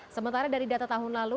sementara dari data tahun lalu